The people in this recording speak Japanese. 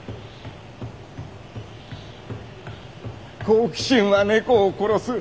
「好奇心は猫を殺す」